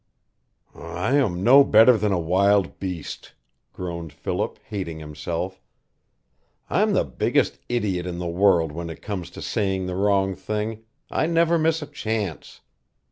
"I am no better than a wild beast," groaned Philip, hating himself. "I'm the biggest idiot in the world when it comes to saying the wrong thing, I never miss a chance.